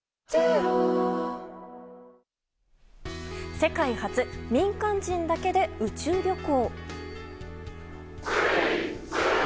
世界初、民間人だけで宇宙旅行。